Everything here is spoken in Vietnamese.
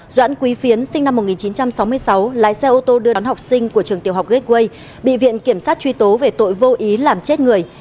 doãn quý phiến sinh năm một nghìn chín trăm sáu mươi sáu lái xe ô tô đưa đón học sinh của trường tiểu học gateway bị viện kiểm sát truy tố về tội vô ý làm chết người